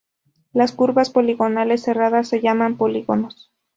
Las curvas poligonales cerradas se llaman polígonos.